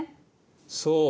そう。